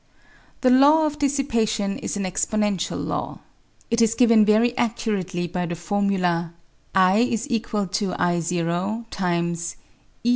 The law of dissipation is an exponential law. It is given very accurately by the formula — t l = loe~5 .